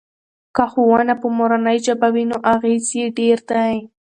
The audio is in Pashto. که ښوونه په مورنۍ ژبه وي نو اغیز یې ډیر دی.